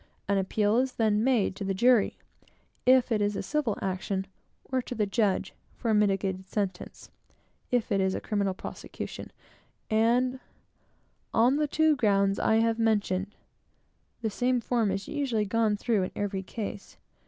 An appeal is then made to the jury, if it is a civil action, or to the judge for a mitigated sentence, if it is a criminal prosecution, on the two grounds I have mentioned. The same form is usually gone through in every case.